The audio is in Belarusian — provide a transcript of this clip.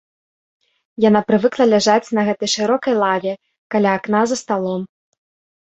Яна прывыкла ляжаць на гэтай шырокай лаве, каля акна за сталом.